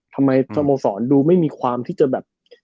ทำไมท่อโมสรดูไม่มีความที่จะแบบ